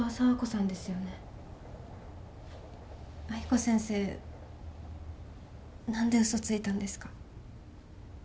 藍子先生何で嘘ついたんですか？